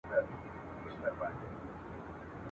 په ککړو په مستیو په نارو سوه !.